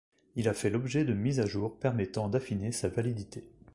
Il a fait l'objet de mises à jour permettant d'affiner sa validité.